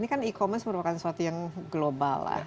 ini kan e commerce merupakan sesuatu yang global lah